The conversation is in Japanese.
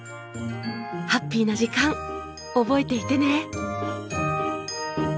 ハッピーな時間覚えていてね。